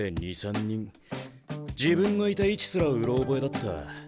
自分のいた位置すらうろ覚えだった。